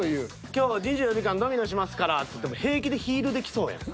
「今日２４時間ドミノしますから」つっても平気でヒールで来そうやん。